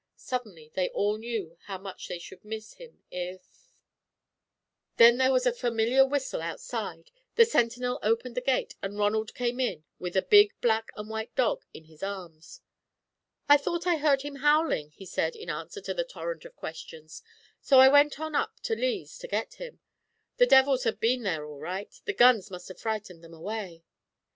Suddenly they all knew how much they should miss him if Then there was a familiar whistle outside, the sentinel opened the gate, and Ronald came in with a big black and white dog in his arms. "I thought I heard him howling," he said, in answer to the torrent of questions, "so I went on up to Lee's to get him. The devils have been there all right, the guns must have frightened them away.